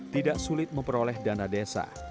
tidak sulit memperoleh dana desa